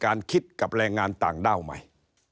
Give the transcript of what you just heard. คิดกับแรงงานต่างด้าวใหม่